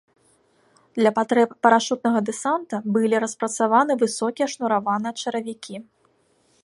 Для патрэб парашутнага дэсанта былі распрацаваны высокія шнураваныя чаравікі.